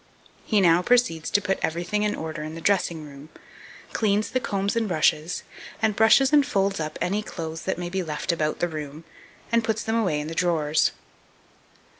2238. He now proceeds to put everything in order in the dressing room, cleans the combs and brushes, and brushes and folds up any clothes that may be left about the room, and puts them away in the drawers.